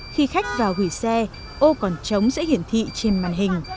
khi khách vào gửi xe ô còn trống sẽ hiển thị trên màn hình